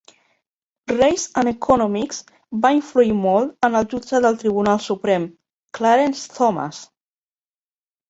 "Race and Economics" va influir molt en el jutge del Tribunal Suprem Clarence Thomas.